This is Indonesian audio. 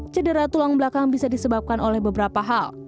cedera tulang belakang bisa disebabkan oleh beberapa hal